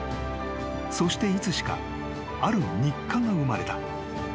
［そしていつしかある日課が生まれた］